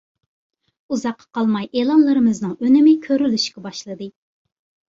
ئۇزاققا قالماي ئېلانلىرىمىزنىڭ ئۈنۈمى كۆرۈلۈشكە باشلىدى.